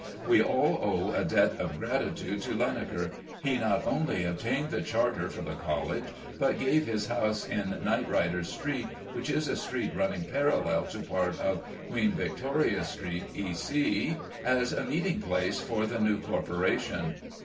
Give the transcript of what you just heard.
We all owe a debt of gratitude to Linacre. He not only obtained the charter for the College, but gave his house in Knightrider Street (which is a street running parallel to part of Queen Victoria Street, E.C.) as a meeting place for the new corporation.